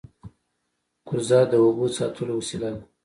کوزه د اوبو د ساتلو وسیله ده